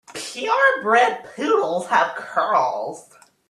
Pure bred poodles have curls.